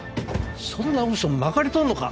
そんな嘘まかり通るのか？